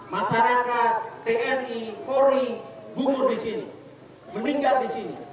masyarakat tni kori bumur di sini meninggal di sini